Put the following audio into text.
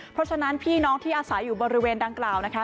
เพราะฉะนั้นพี่น้องที่อาศัยอยู่บริเวณดังกล่าวนะคะ